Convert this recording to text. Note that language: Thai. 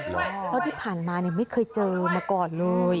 เพราะที่ผ่านมาไม่เคยเจอมาก่อนเลย